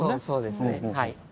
そうですねはい。